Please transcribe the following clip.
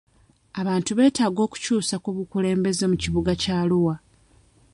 Abantu beetaga okukyusa ku bukulembeze mu kibuga kya Arua.